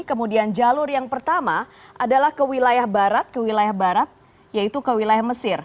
kemudian jalur yang pertama adalah ke wilayah barat ke wilayah barat yaitu ke wilayah mesir